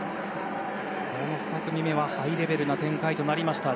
この２組目はハイレベルな展開となりました。